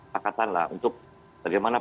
pakatan lah untuk bagaimana